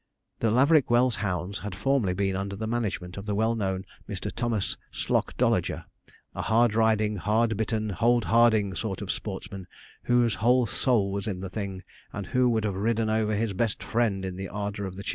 The Laverick Wells hounds had formerly been under the management of the well known Mr. Thomas Slocdolager, a hard riding, hard bitten, hold harding sort of sportsman, whose whole soul was in the thing, and who would have ridden over his best friend in the ardour of the chase.